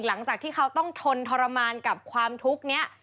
หลังจากที่เขาต้องทนทรมานกับความทุกข์นี้